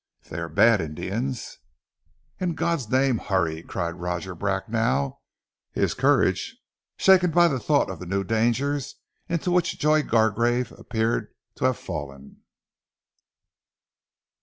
If they are bad Indians " "In God's name, hurry!" cried Roger Bracknell, his courage shaken by the thought of the new danger into which Joy Gargrave appeared to have fallen.